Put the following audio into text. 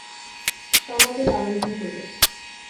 সমাদর আরম্ভ হইল।